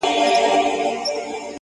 هغه نجلۍ په ما د ډيرو خلکو مخ خلاص کړئ _